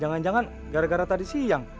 jangan jangan gara gara tadi siang